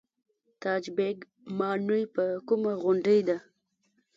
تاج بیګ ماڼۍ په کومه غونډۍ ده؟